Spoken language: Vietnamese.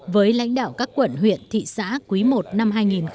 với lãnh đạo các quận huyện thị xã quý i năm hai nghìn một mươi chín